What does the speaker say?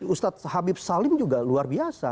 ustadz habib salim juga luar biasa